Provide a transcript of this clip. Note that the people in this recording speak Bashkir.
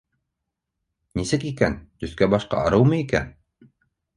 Нисек икән, төҫкә-башҡа арыумы икән?